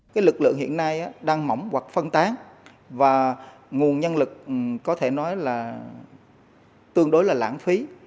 cái lực lượng hiện nay đang mỏng hoặc phân tán và nguồn nhân lực có thể nói là tương đối là lãng phí